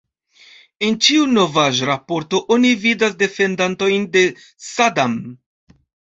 En ĉiu novaĵ-raporto oni vidas defendantojn de Sadam.